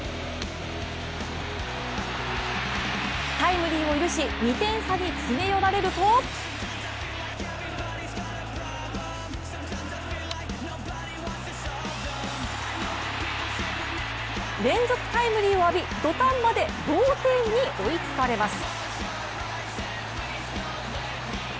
タイムリーを許し２点差に詰め寄られると連続タイムリーを浴び、土壇場で同点に追いつかれます。